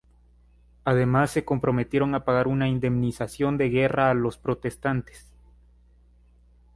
Además se comprometieron a pagar una indemnización de guerra a los protestantes.